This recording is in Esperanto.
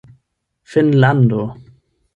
finnlando